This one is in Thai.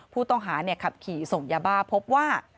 ผู้ต้องหาขับขี่ส่งยาบ้าพบว่า